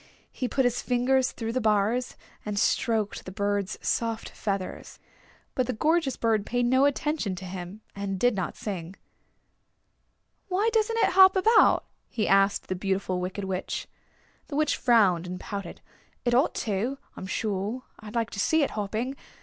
He put his fingers through the bars, and stroked the bird's soft feathers. But the gorgeous bird paid no attention to him, and did not sing. "Why doesn't it hop about?" he asked the Beautiful Wicked Witch. The Witch frowned and pouted. "It ought to, I'm sure. I like to see it hopping.